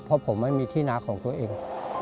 เพราะผมไม่มีที่นาของตัวเอง